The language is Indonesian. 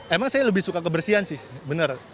emang saya lebih suka kebersihan sih benar